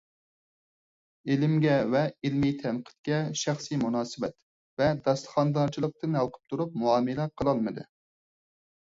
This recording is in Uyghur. ئىلىمگە ۋە ئىلمىي تەنقىدكە شەخسىي مۇناسىۋەت ۋە داستىخاندارچىلىقتىن ھالقىپ تۇرۇپ مۇئامىلە قىلالمىدى.